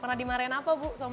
pernah dimarahin apa bu sama bapak